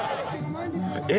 えっ？